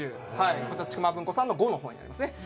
こちらちくま文庫さんの『５』の方になりますね。